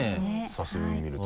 久しぶりに見ると。